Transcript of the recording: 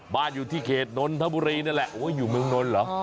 อยู่ที่เขตนนทบุรีนั่นแหละโอ้ยอยู่เมืองนนท์เหรอ